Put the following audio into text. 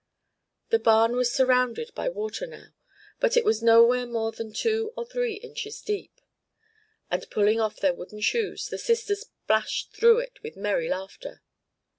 The barn was surrounded by water now, but it was nowhere more than two or three inches deep. And pulling off their wooden shoes, the sisters splashed through it with merry laughter.